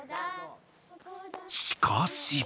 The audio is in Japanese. しかし。